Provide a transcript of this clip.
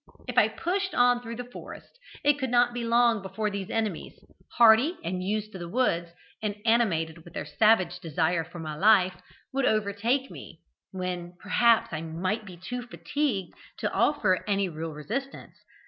If I pushed on through the forest, it could not be long before these enemies, hardy and used to the woods, and animated with their savage desire for my life, would overtake me, when, perhaps, I might be too fatigued to offer any real resistance.